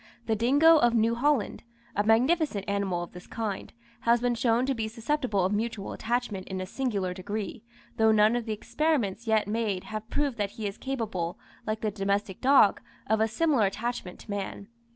The Dingo of New Holland, a magnificent animal of this kind, has been shown to be susceptible of mutual attachment in a singular degree, though none of the experiments yet made have proved that he is capable, like the domestic dog, of a similar attachment to man.